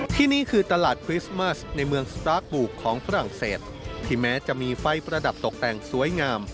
ที่นี่คือตลาดคริสต์มัสในเมืองสตาร์คบุกของฝรั่งเศสที่แม้จะมีไฟประดับตกแต่งสวยงาม